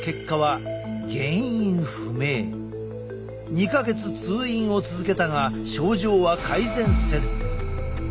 ２か月通院を続けたが症状は改善せず。